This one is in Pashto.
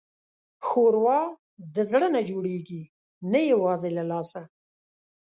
ښوروا د زړه نه جوړېږي، نه یوازې له لاسه.